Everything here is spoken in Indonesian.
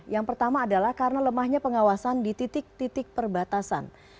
yang pertama adalah karena lemahnya pengawasan di titik titik perbatasan